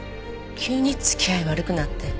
急に付き合い悪くなって。